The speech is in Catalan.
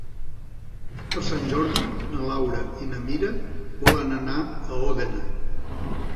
Per Sant Jordi na Laura i na Mira volen anar a Òdena.